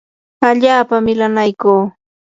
allaapa milanaykuu.